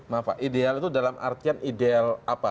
maaf pak ideal itu dalam artian ideal apa